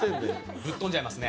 ぶっ飛んじゃいますね。